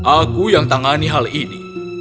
aku yang tangani hal ini